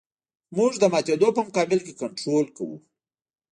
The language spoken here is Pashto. موږ د ماتېدو په مقابل کې کنټرول کوو